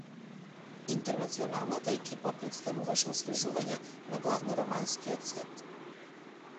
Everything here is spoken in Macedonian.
Интернационалната екипа претставуваше освежување на главно романскиот сет.